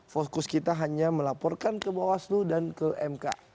fokus kita hanya melaporkan ke bawaslu dan ke mk